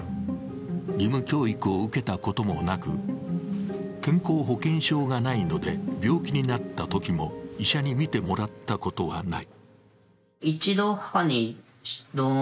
義務教育を受けたこともなく健康保険証がないので病気になったときも医者に診てもらったことはない。